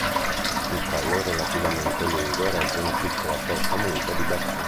Il collo è relativamente lungo e regge una piccola testa munita di becco.